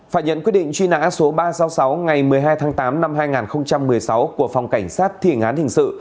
phải nhấn quyết định chuy nã số ba trăm sáu mươi sáu ngày một mươi hai tháng tám năm hai nghìn một mươi sáu của phòng cảnh sát thỉ ngán hình sự